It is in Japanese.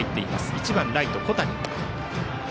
１番ライト、小谷。